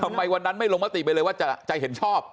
ทำไมวันนั้นไม่ลงมัตติไปเลยว่าจะใจเห็นชอบ